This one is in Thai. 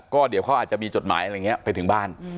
ก็เดี๋ยวเขาอาจจะมีจดหมายอะไรอย่างนี้ไปถึงบ้าน